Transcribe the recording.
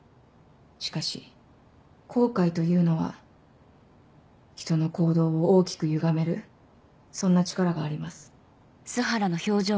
しかし後悔というのは人の行動を大きくゆがめるそんな力があります。